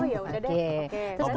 oh ya udah deh oke